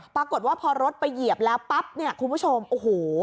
ปรากฏว่าพอรถไปเหยียบแล้วปั๊บเนี่ยคุณผู้ชมโอ้โห